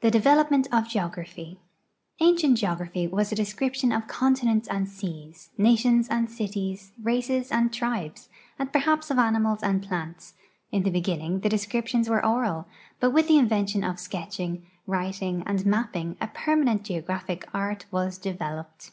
THE DEVELOPMENT OF GEOGRAPHY Ancient geogra[)hy was a description of continents and seas, nations and cities, races and tril)es, and perhaps of animals and ])lants ; in the beginning the descriptions were oral, but with the invention of sketching, writing, and mapping a permanent geo graphic art was developed.